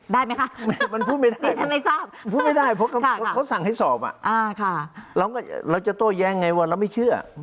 ได้ไหมคะมันพูดไม่ได้พูดไม่ได้เพราะเขาสั่งให้สอบเราจะโต้แย้งไงว่าเราไม่เชื่อ